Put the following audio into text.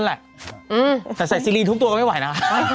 แต่ใส่ซีรีส์ทุกตัวก็ไม่ไหวนะ